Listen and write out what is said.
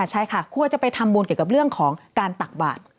ใช่ค่ะควรจะไปทำบุญเกี่ยวกับเรื่องของการตักบาท